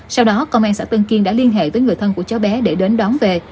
sau đó công an xã tân kiên đã liên hệ với người thân của cháu bé để đến đón về